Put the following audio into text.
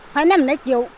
phải năm này chịu